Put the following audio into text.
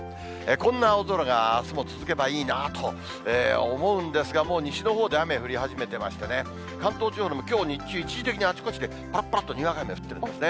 こんな青空があすも続けばいいなと思うんですが、もう西のほうで雨降り始めてましてね、関東地方でもきょう日中、一時的にあちこちで、ぱらっぱらっとにわか雨が降ってるんですね。